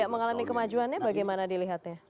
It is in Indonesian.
mengalami kemajuannya bagaimana dilihatnya